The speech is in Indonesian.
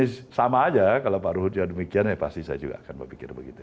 ya sama aja kalau pak ruhut ya demikian ya pasti saya juga akan berpikir begitu